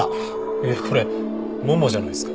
いやこれももじゃないですか。